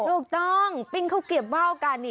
ถูกต้องปิ้งเขาเกรียบว้ากัน